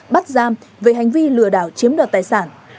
bắt giam về hành vi lừa đảo chiếm đoạt tài sản